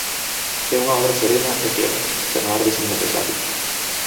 É unha obra serena e queda, sen alardes innecesarios.